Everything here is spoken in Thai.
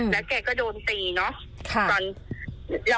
แล้วแกก็โดนตีเนอะ